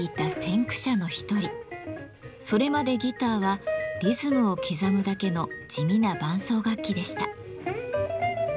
それまでギターはリズムを刻むだけの地味な伴奏楽器でした。